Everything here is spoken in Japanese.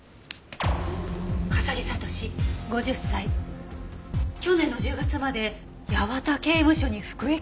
「笠城覚士５０歳」去年の１０月まで八幡刑務所に服役？